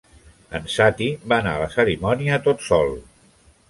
En Sati va anar a la cerimònia tot sol.